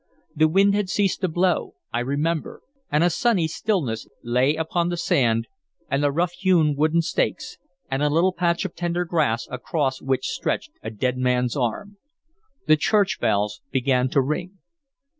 The wind had ceased to blow, I remember, and a sunny stillness lay upon the sand, and the rough hewn wooden stakes, and a little patch of tender grass across which stretched a dead man's arm. The church bells began to ring.